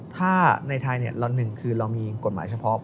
ถ้าในไทยหนึ่งคือเรามีกฎหมายเฉพาะ